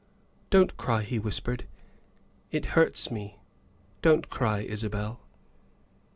" Don't cry," he whispered, " it hurts me. Don't cry Isabel.